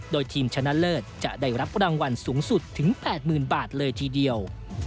โดยทีมชนะเลิศจะได้รับรางวัลสูงสุดถึง๘๐๐๐บาทเลยทีเดียว